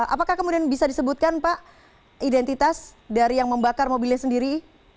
apakah kemudian bisa disebutkan pak identitas dari yang membakar mobilnya sendiri